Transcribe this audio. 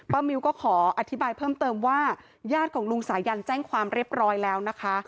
มิวก็ขออธิบายเพิ่มเติมว่าญาติของลุงสายันแจ้งความเรียบร้อยแล้วนะคะ